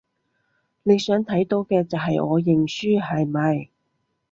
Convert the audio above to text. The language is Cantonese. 你想睇到嘅就係我認輸，係咪？